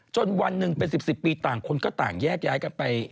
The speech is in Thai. วันหนึ่งเป็น๑๐ปีต่างคนก็ต่างแยกย้ายกันไป